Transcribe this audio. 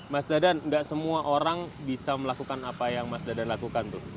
mas dadan nggak semua orang bisa melakukan apa yang mas dadan lakukan tuh